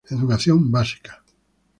Educación básica.